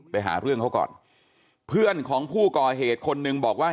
ไปหาเรื่องเขาก่อนเพื่อนของผู้ก่อเหตุคนหนึ่งบอกว่า